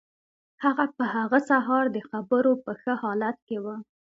هغه په هغه سهار د خبرو په ښه حالت کې و